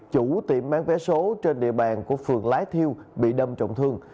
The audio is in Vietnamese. chủ tiệm bán vé số trên địa bàn của phường lái thiêu bị đâm trọng thương